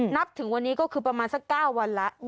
นับถึงวันนี้ก็คือประมาณสัก๙วันแล้ว